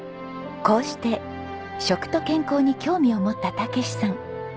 こうして食と健康に興味を持った武史さん。